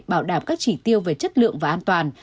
bảo đảm các chỉ tiêu về chất lượng và an toàn